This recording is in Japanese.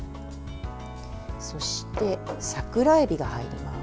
そして、桜えびが入ります。